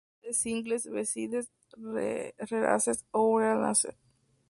Cd singles, B-sides, rarezas o Unreleased